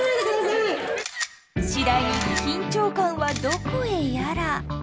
次第に緊張感はどこへやら。